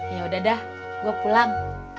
yaudah dah gua pulang